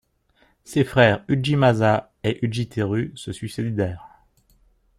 Ses frères Ujimasa et Ujiteru se suicidèrent.